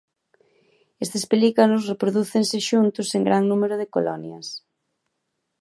Estes pelicanos reprodúcense xuntos en gran número en colonias.